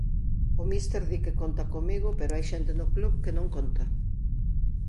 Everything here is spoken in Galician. O míster di que conta comigo pero hai xente no club que non conta.